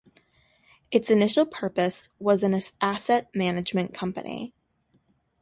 Its initial purpose was as an asset management company.